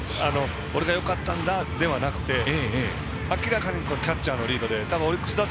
俺がよかったというわけじゃなくて明らかにキャッチャーのリードで。